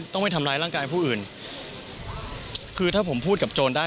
ต้องไปทำร้ายร่างกายผู้อื่นคือถ้าผมพูดกับโจรได้